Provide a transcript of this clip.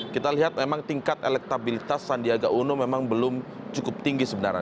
kita lihat memang tingkat elektabilitas sandiaga uno memang belum cukup tinggi sebenarnya